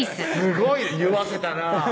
ごい言わせたなぁ